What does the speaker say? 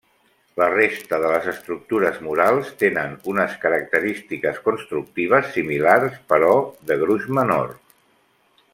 La resta de les estructures murals tenen unes característiques constructives similars, però de gruix menor.